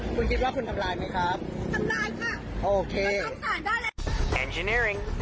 คุณคิดว่าคุณทำลายไหมครับทำลายค่ะโอเคเราทำสารได้เลย